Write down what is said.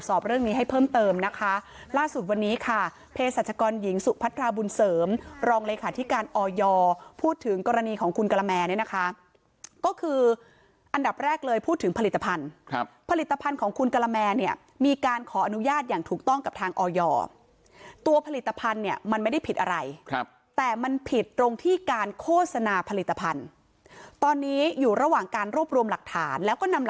เสริมรองเลยค่ะที่การออยอร์พูดถึงกรณีของคุณกระแมนนะคะก็คืออันดับแรกเลยพูดถึงผลิตภัณฑ์ผลิตภัณฑ์ของคุณกระแมนเนี่ยมีการขออนุญาตอย่างถูกต้องกับทางออยอร์ตัวผลิตภัณฑ์เนี่ยมันไม่ได้ผิดอะไรครับแต่มันผิดตรงที่การโฆษณาผลิตภัณฑ์ตอนนี้อยู่ระหว่างการรวบรวมหลักฐานแล้วก